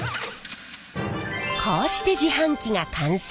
こうして自販機が完成。